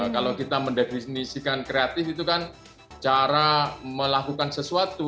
kalau kita mendefinisikan kreatif itu kan cara melakukan sesuatu